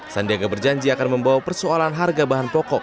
sandiaga berjanji akan membawa persoalan harga bahan pokok